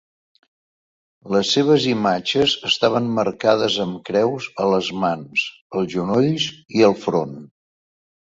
Les seves imatges estaven marcades amb creus a les mans, els genolls i el front.